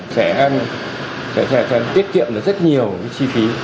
sẽ tiết kiệm được rất nhiều chi phí